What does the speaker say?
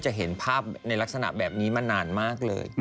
ไหนนะ